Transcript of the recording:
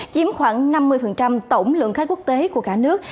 chiếm khoảng năm mươi tổng lượng khách quốc tế của cả nước